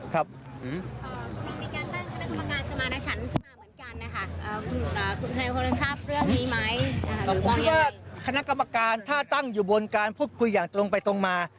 คณะกรรมการท่าตั้งอยู่บนการพูดคุยอย่างตรงไปตรงมา